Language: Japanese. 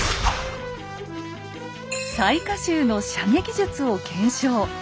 雑賀衆の射撃術を検証。